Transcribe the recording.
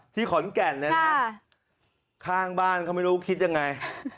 ขอนแก่นเนี่ยนะข้างบ้านเขาไม่รู้คิดยังไง